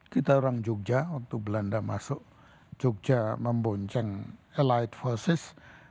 kita orang jogja untuk belanda masuk jogja membonceng light forces